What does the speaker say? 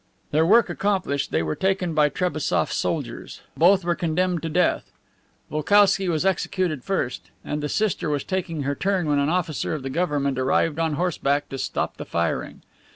Their work accomplished, they were taken by Trebassof's soldiers. Both were condemned to death. Volkousky was executed first, and the sister was taking her turn when an officer of the government arrived on horseback to stop the firing.